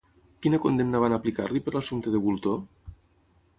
Quina condemna van aplicar-li per l'assumpte de Bultó?